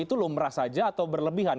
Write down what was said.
itu lumrah saja atau berlebihan